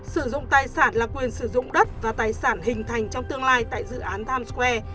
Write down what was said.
sử dụng tài sản là quyền sử dụng đất và tài sản hình thành trong tương lai tại dự án times square